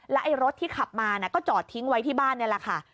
ไอ้รถที่ขับมาก็จอดทิ้งไว้ที่บ้านนี่แหละค่ะ